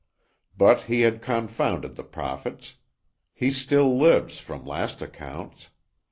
But he has confounded the prophets. He still lives, from last accounts.